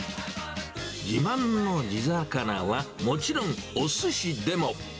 自慢の地魚は、もちろんおすしでも。